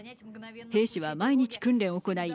兵士は毎日訓練を行い